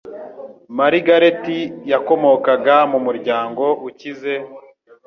Margaret yakomokaga mu muryango ukize,